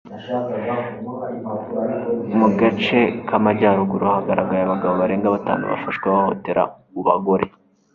Mugace k’amajyaruruguru hagaragaye abagabo barenga batanu bafashwe bahohotera ubagore